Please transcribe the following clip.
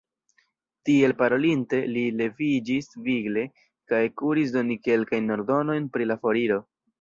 Tiel parolinte, li leviĝis vigle, kaj kuris doni kelkajn ordonojn pri la foriro.